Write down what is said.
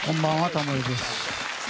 タモリです。